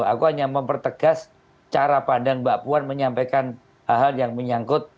aku hanya mempertegas cara pandang mbak puan menyampaikan hal hal yang menyangkut